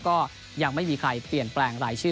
ก็ยังไม่มีใครเปลี่ยนแปลงรายชื่อ